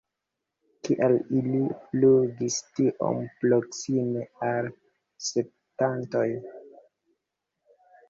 Kial ili flugis tiom proksime al spektantoj?